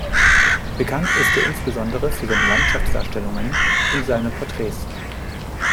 Bekannt ist er insbesondere für seine Landschaftsdarstellungen und seine Porträts.